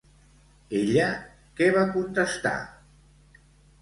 Ella què va contestar?